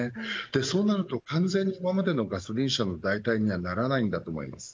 そうなると完全には今までのガソリン車の代替にはならないと思います。